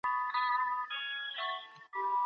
کي بهرنۍ ژبې ژر زده کړي او ښه تلفظ يې وکړي.